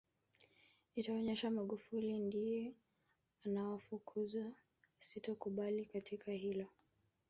itaonesha Magufuli ndiye anawafukuza sitokubali katika hilo